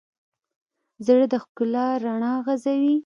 زړه د ښکلا رڼا غځوي.